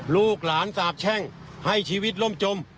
ลูกหลานสาบแช่งให้ชีวิตล่มจม